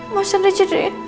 mas rendy jadi